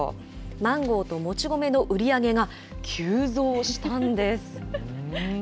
マンゴーともち米の売り上げが急増したんです。